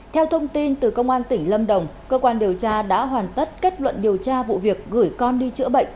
theo thông tin từ công an tỉnh lâm đồng cơ quan điều tra đã hoàn tất kết luận điều tra vụ việc gửi con đi chữa bệnh